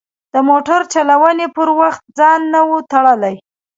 د موټر چلونې پر وخت ځان نه و تړلی.